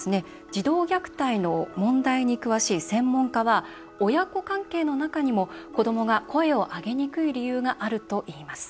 児童虐待の問題に詳しい専門家は親子関係の中にも、子どもが声を上げにくい理由があるといいます。